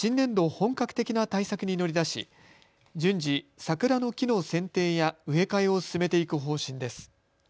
本格的な対策に乗り出し順次、桜の木のせんていや植え替えを進めていく方針です。